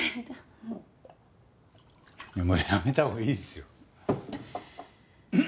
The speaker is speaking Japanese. もうやめたほうがいいっすよ。